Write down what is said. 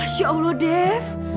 masya allah dep